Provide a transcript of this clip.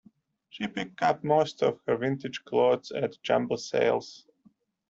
She picks up most of her vintage clothes at jumble sales